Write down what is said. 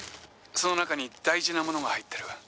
「その中に大事なものが入ってる」